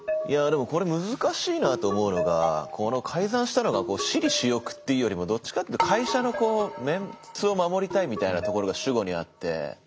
いやあでもこれ難しいなと思うのがこの改ざんしたのが私利私欲っていうよりもどっちかっていうと会社のメンツを守りたいみたいなところが主語にあって。